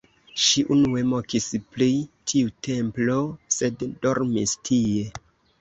Ŝi unue mokis pri tiu templo, sed dormis tie.